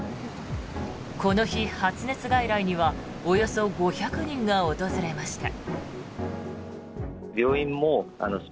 この日、発熱外来にはおよそ５００人が訪れました。